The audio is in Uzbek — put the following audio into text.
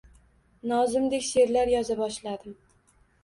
Nozimdek she’rlar yoza boshladim.